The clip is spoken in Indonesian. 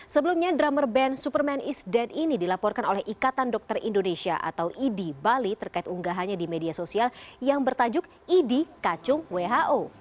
sebelumnya drummer band superman is dead ini dilaporkan oleh ikatan dokter indonesia atau idi bali terkait unggahannya di media sosial yang bertajuk idi kacung who